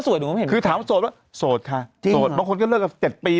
สวยหนูไม่เห็นคือถามโสดโสดค่ะจริงบางคนก็เลิกกับเจ็บปี